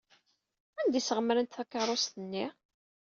Anda ay sɣemrent takeṛṛust-nni?